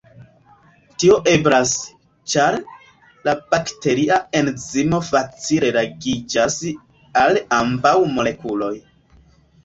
Tio eblas, ĉar la bakteria enzimo facile ligiĝas al ambaŭ molekuloj.